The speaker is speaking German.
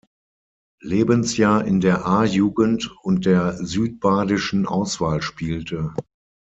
Lebensjahr in der A-Jugend und der südbadischen Auswahl spielte.